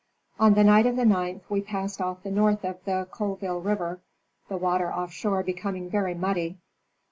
On the night of the 9th we passed off the north of the Colville river, the water offshore becoming very muddy.